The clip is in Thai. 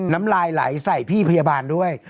น้ำลายไหลใส่พี่พยาบาลด้วย